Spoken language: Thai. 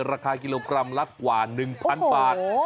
ราคากิโลกรัมละกว่า๑๐๐๐บาท